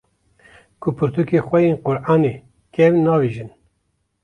ku pirtûkê xwe yê Qur’anê kevn navêjin